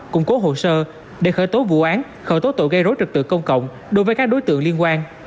củng cố hồ sơ để khởi tố vụ án khởi tố tội gây rối trật tự công cộng đối với các đối tượng liên quan